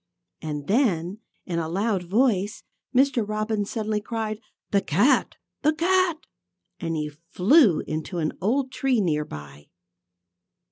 And then, in a loud voice, Mr. Robin suddenly cried: "The cat! The cat!" And he flew into an old tree near by.